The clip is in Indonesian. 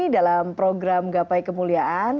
dalam program gapai kemuliaan